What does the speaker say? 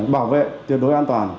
bảo vệ tuyệt đối an toàn